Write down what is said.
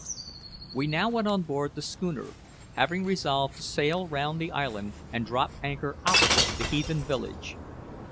We now went on board the schooner, having resolved to sail round the island and drop anchor opposite the heathen village.